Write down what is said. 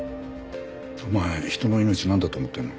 お前人の命なんだと思ってるの？